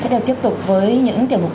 sẽ được tiếp tục với những tiểu mục